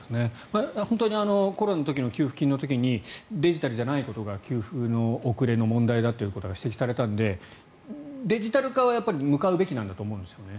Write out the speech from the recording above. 本当にコロナの給付金の時にデジタルじゃないことが給付の遅れの問題だと指摘されたのでデジタル化は向かうべきなんだと思うんですよね。